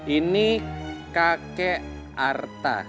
ini kakek arta